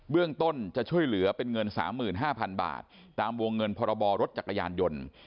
เรื่องต้นจะช่วยเหลือเป็นเงิน๓๕๐๐๐บาทตามวงเงินพรบรถจักรยานยนต์